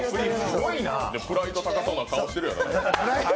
プライド高そうな顔してる。